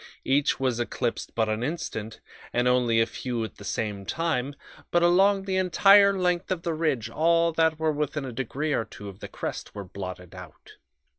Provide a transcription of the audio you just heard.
Each was eclipsed but an instant, and only a few at the same time, but along the entire length of the ridge all that were within a degree or two of the crest were blotted out.